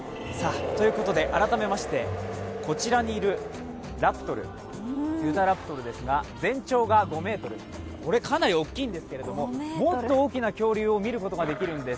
改めまして、こちらにいユタラプトルですが全長が５ｍ、これも大きいんですが、もっと大きな恐竜を見ることができるんです。